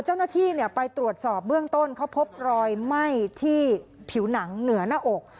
เจ้าหน้าที่ไปตรวจสอบเบื้องต้นเขาพบรอยไหม้ที่ผิวหนังเหนือหน้าอก